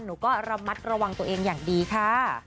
หนูก็ระมัดระวังตัวเองอย่างดีค่ะ